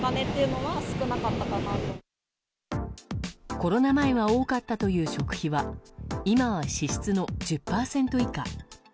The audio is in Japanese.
コロナ前は多かったという食費は今は支出の１０％以下。